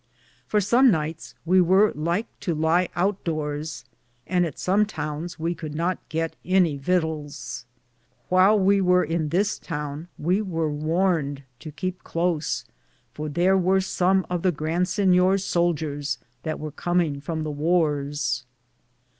For some nyghtes we weare like to ly without dors, and at som touns we could not gitt any vitels. Whyle we weare in this toune we weare warned to keep close, for thar weare som of the Grand Sinyor's souldiers that weare cominge from the wars.